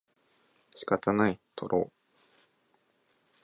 仕方ない、とろう